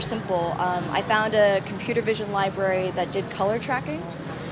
saya menemukan sebuah komputer vision library yang melakukan color tracking